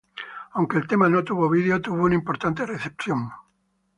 Aunque el tema no tuvo video, tuvo una importante recepción.